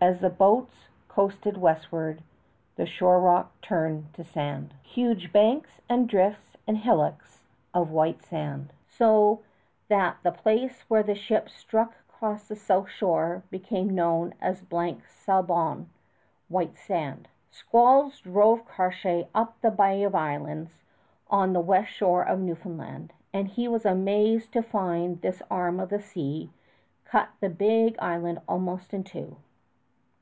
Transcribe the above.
As the boats coasted westward the shore rock turned to sand, huge banks and drifts and hillocks of white sand, so that the place where the ships struck across for the south shore became known as Blanc Sablon (White Sand). Squalls drove Cartier up the Bay of Islands on the west shore of Newfoundland, and he was amazed to find this arm of the sea cut the big island almost in two.